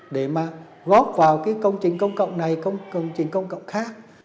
để mà góp vào cái công trình công cộng này công trình công cộng khác